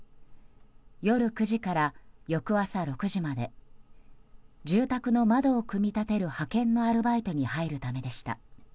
夜９時から翌朝６時まで住宅の窓を組み立てる派遣のアルバイトに入るためでした。